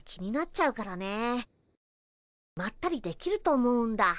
こっちならまったりできると思うんだ。